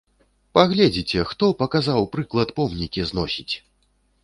Пагледзіце, хто паказаў прыклад помнікі зносіць?